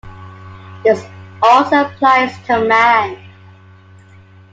This also applies to man.